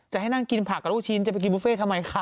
จะให้นั่งกินผักกับลูกชิ้นจะไปกินบุฟเฟ่ทำไมคะ